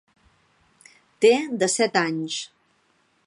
Té desset anys.